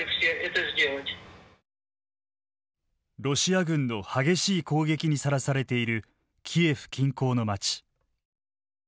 ロシア軍の激しい攻撃にさらされているキエフ近郊の街。